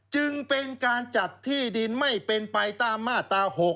จึงเป็นการจัดที่ดินไม่เป็นไปตามมาตรา๖